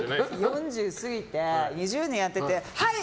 ４０過ぎて、２０年やっててはい！